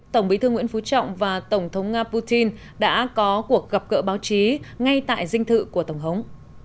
tổng bí thư nguyễn phú trọng và tổng thống nga putin đã có cuộc gặp gỡ báo chí ngay tại dinh thự của tổng thống